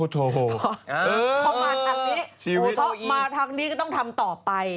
ถ้ามาทางนี้ก็ต้องทำต่อไป